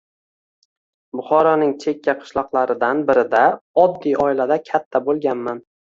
Buxoroning chekka qishloqlaridan birida, oddiy oilada katta bo’lganman.